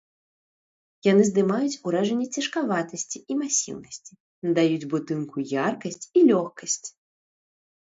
Яны здымаюць уражанне цяжкаватасці і масіўнасці, надаюць будынку яркасць і лёгкасць.